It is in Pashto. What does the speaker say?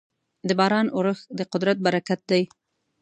د باران اورښت د قدرت برکت دی.